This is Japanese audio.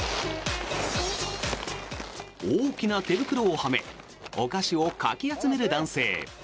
大きな手袋をはめお菓子をかき集める男性。